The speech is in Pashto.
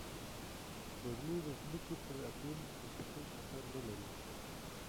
سپوږمۍ د ځمکې پر اقلیم مستقیم اثر نه لري